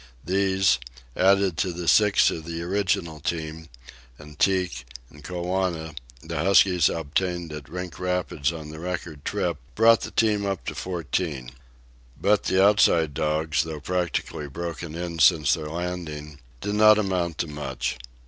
These, added to the six of the original team, and Teek and Koona, the huskies obtained at the Rink Rapids on the record trip, brought the team up to fourteen. But the Outside dogs, though practically broken in since their landing, did not amount to much.